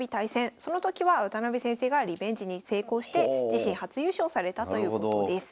その時は渡辺先生がリベンジに成功して自身初優勝されたということです。